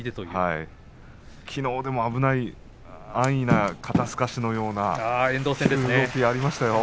きのうも危ない安易な肩すかしのような動きがありましたよ。